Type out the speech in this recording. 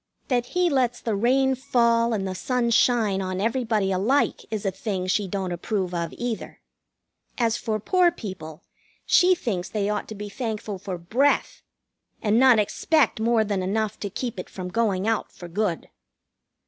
That He lets the rain fall and sun shine on everybody alike is a thing she don't approve of either. As for poor people, she thinks they ought to be thankful for breath, and not expect more than enough to keep it from going out for good.